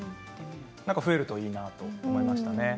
増えるといいなと思いましたね。